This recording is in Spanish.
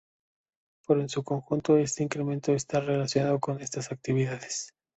Pero en su conjunto ese incremento está relacionado con esas actividades.